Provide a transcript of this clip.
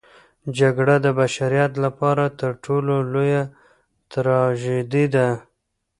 جګړه د بشریت لپاره تر ټولو لویه تراژیدي ده.